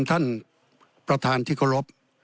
ท่านประธานที่เคารพ